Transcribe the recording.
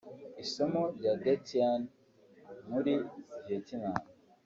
Isumo rya Detian muri Vietnam